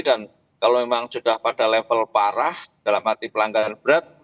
dan kalau memang sudah pada level parah dalam arti pelanggaran berat